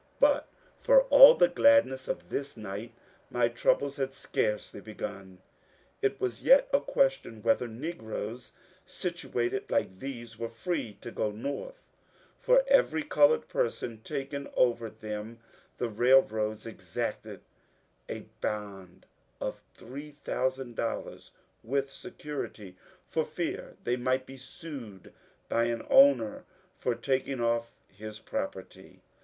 But for all the gladness of this night, my troubles had scarcely begun. It was yet a question whether negroes situated like these were free to go North ; for every coloured person taken over them the railroads exacted a bond of $3000, with security, for fear they might be sued by an owner for taking off his property.